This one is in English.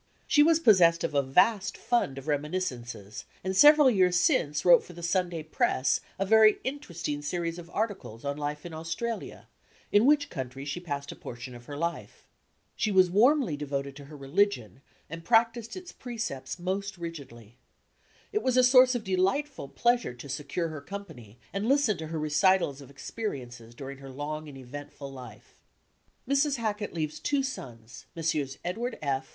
She was pos sessed of a vast fund of reminiscences and several years since wrote for the Sunday Press a very interesting series of articles on life in Australia, in which country she passed a portion of her life. She was warmly devoted to her religion and prac ticed its precepts most rigidly. It was a source of delightful pleasure to secure her company and listen to her recitals of expe riences during her long and eventful life. SKETCHES OF TRAVEL Mrs. Hackett leaves two sons, Messrs. Edward F.